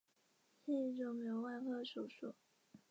是一种美容外科手术。